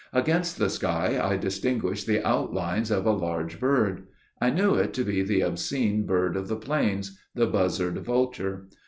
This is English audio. Against the sky, I distinguished the outlines of a large bird. I knew it to be the obscene bird of the plains, the buzzard vulture.